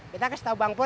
betta kasih tau bang pur